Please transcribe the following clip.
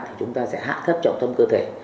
thì chúng ta sẽ hạ thất trọng thâm cơ thể